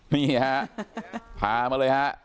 นี่ฮะพามาเลยฮะ